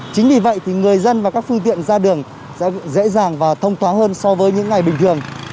chính vì vậy thì người dân và các phương tiện ra đường sẽ dễ dàng và thông thoáng hơn so với những ngày bình thường